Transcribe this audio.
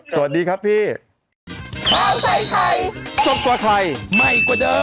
สวัสดีครับพี่